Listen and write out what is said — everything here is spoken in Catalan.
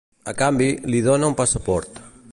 A canvi, li dóna un passaport.